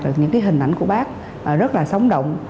và những hình ảnh của bác rất là sóng động